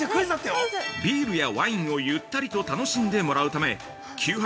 ビールやワインをゆったりと楽しんでもらうため９８